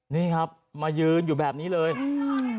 นี่ครับมายืนอยู่แบบนี้เลยอืม